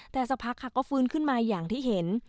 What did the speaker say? แต่สักพักค่ะก็ฟื้นขึ้นมาอย่างที่เห็น